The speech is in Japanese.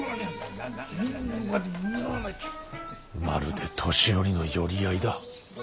まるで年寄りの寄り合いだ。